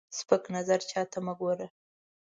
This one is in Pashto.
سپک نظر چاته مه ګوره